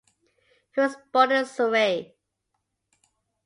He was born in Surrey.